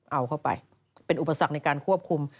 เอาเข้าไปเป็นอุปสรรคในการควบคุม